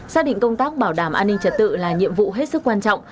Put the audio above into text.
xác định công tác bảo đảm an ninh trật tự là nhiệm vụ hết sức quan trọng